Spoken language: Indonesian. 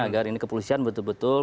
agar ini kepolisian betul betul